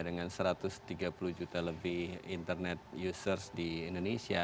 dengan satu ratus tiga puluh juta lebih internet users di indonesia